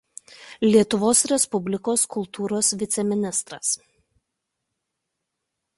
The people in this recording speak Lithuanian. Lietuvos Respublikos kultūros viceministras.